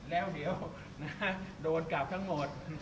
แล้วเดี๋ยวนะโดนกลับทั้งหมด